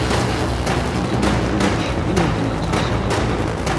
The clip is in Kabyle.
Xedmen kullec iwakken ad txeṣreḍ.